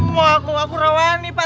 mau aku rawani pak